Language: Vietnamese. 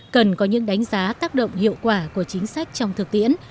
cần có những đánh giá tác động hiệu quả của chính sách trong thực tiễn